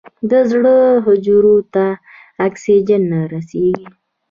د زړه حجرو ته اکسیجن نه رسېږي.